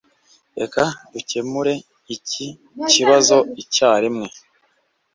Reka dukemure iki kibazo icyarimwe.